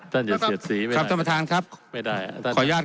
อย่าเสียดสีไหมครับท่านประธานครับไม่ได้ขออนุญาต